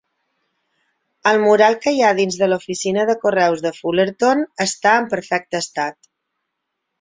El mural que hi ha a dins de l'oficina de Correus de Fullerton està en perfecte estat.